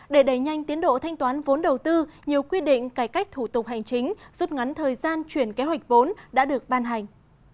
để đẩy nhanh tiến độ thanh toán vốn đầu tư nhiều quy định cải cách thủ tục hành chính rút ngắn thời gian chuyển kế hoạch vốn đã được ban hành